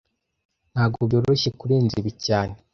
Ntago byoroshye kurenza ibi cyane